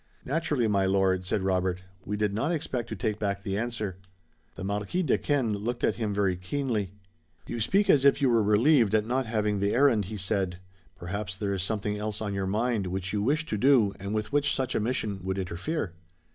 "Naturally, my lord," said Robert. "We did not expect to take back the answer." The Marquis Duquesne looked at him very keenly. "You speak as if you were relieved at not having the errand," he said. "Perhaps there is something else on your mind which you wish to do and with which such a mission would interfere."